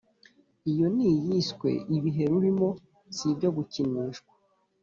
iyo ni iyiswe ‘ibihe rurimo si ibyo gukinishwa